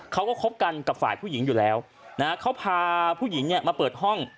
เขาก็คบกันกับฝ่ายผู้หญิงอยู่แล้วนะฮะเขาพาผู้หญิงเนี่ยมาเปิดห้อง